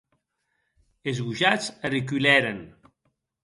Es gojats arreculèren.